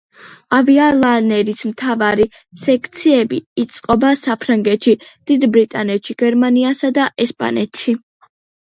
ავიალაინერის მთავარი სექციები იწყობა საფრანგეთში, დიდ ბრიტანეთში, გერმანიასა და ესპანეთში.